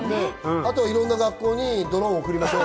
あと、いろんな学校にドローンを送りましょう。